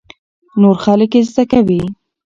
نور خلک يې زده کوي.